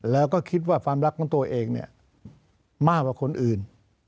แล้วก็คิดว่าความรักของตัวเองเนี่ยมากกว่าคนอื่น